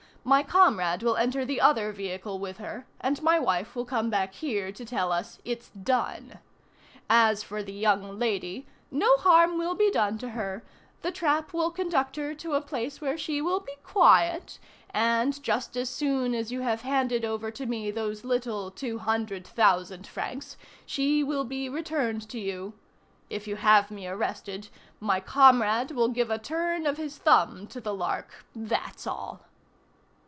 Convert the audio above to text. My comrade will enter the other vehicle with her, and my wife will come back here to tell us: 'It's done.' As for the young lady, no harm will be done to her; the trap will conduct her to a place where she will be quiet, and just as soon as you have handed over to me those little two hundred thousand francs, she will be returned to you. If you have me arrested, my comrade will give a turn of his thumb to the Lark, that's all."